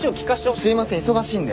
すいません忙しいんで。